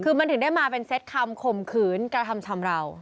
คือมันถึงได้มาเป็นเซ็ตคำข่มขืนกระทำชำราว